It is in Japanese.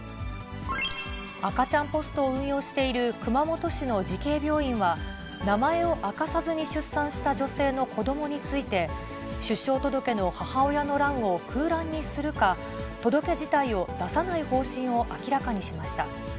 赤ちゃんポストを運用している熊本市の慈恵病院は、名前を明かさずに出産した女性の子どもについて、出生届の母親の欄を空欄にするか、届け自体を出さない方針を明らかにしました。